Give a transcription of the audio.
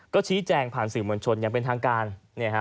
ก็ชี้แจงผ่านสื่อบัญชนยังเป็นทางการเนี่ยฮะ